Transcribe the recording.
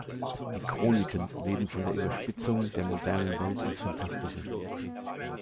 Die "Chroniken" leben von der Überspitzung der modernen Welt ins Phantastische.